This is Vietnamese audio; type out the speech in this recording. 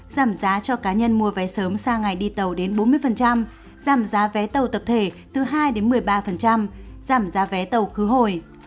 giảm giá cho cá nhân mua vé sớm sang ngày đi tàu đến bốn mươi giảm giá vé tàu tập thể từ hai đến một mươi ba giảm giá vé tàu khứ hồi